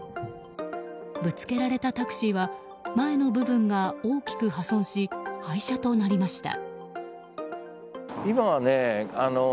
ぶつけられたタクシーは前の部分が大きく破損し廃車となりました。